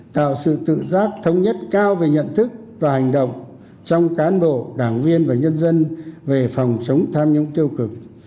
tạo sự tự giác thống nhất cao về nhận thức và hành động trong cán bộ đảng viên và nhân dân về phòng chống tham nhũng tiêu cực